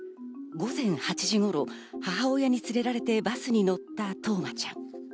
午前８時頃、母親に連れられてバスに乗った冬生ちゃん。